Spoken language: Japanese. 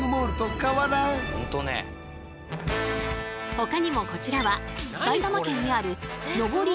ほかにもこちらは埼玉県にある上り